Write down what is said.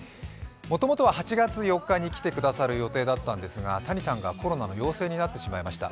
もともとは８月４日に来てくださる予定だったんですがＴａｎｉさんがコロナの陽性になってしまいました。